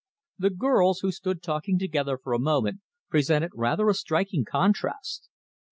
The girls, who stood talking together for a moment, presented rather a striking contrast.